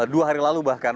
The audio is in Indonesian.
dua hari lalu bahkan